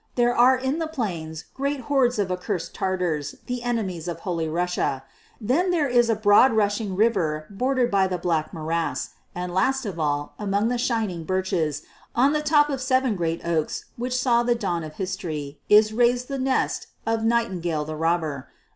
There are in the plains great hordes of accursed Tatars, the enemies of Holy Russia; then there is a broad rushing river bordered by the Black Morass; and, last of all, among the shining birches, on the top of seven great oaks which saw the dawn of history, is raised the nest of Nightingale the Robber.